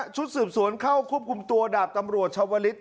ชุดสืบสวนเข้าควบคุมตัวดาบตำรวจชาวลิศ